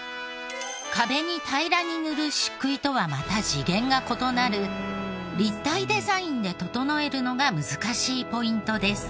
壁に平らに塗る漆喰とはまた次元が異なる立体デザインで整えるのが難しいポイントです。